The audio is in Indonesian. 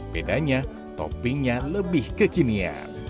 bedanya toppingnya lebih kekinian